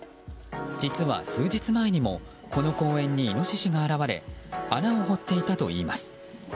実は、数日前にもこの公園にイノシシが現れ穴を掘っていたといいます。